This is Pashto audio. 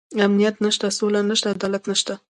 امنيت نشته، سوله نشته، عدالت نشته.